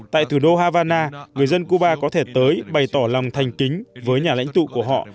tại thủ đô havana người dân cuba có thể tới bày tỏ lòng thành kính với nhà lãnh tụ của họ